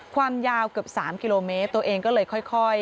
ความยาวเกือบ๓กิโลเมตรตัวเองก็เลยค่อย